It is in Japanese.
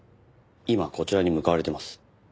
今こちらに向かわれてます。